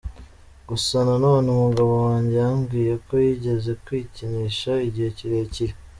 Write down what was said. Gusa nanone umugabo wanjye yambwiye ko yigeze kwikinisha igihe kirekire.